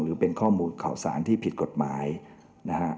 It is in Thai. หรือเป็นข้อมูลข่าวสารที่ผิดกฎหมายนะฮะ